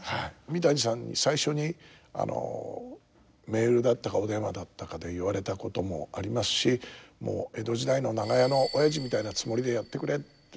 三谷さんに最初にメールだったかお電話だったかで言われたこともありますし「もう江戸時代の長屋のおやじみたいなつもりでやってくれ」って。